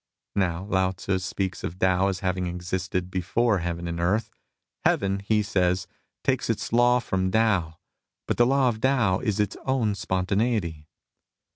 Now Lao Tzu speaks of Tao as having existed before Heaven and Earth :" Heaven," he says, " takes its law from Tao ; but the law of Tao is its own spon taneity."